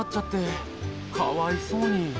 かわいそうに。